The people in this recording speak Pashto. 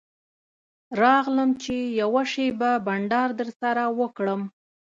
راغلم چې یوه شېبه بنډار درسره وکړم.